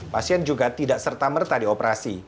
pasien juga tidak serta merta dioperasi